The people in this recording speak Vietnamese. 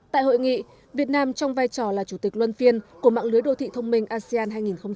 tại hội nghị việt nam trong vai trò là chủ tịch luân phiên của mạng lưới đô thị thông minh asean hai nghìn hai mươi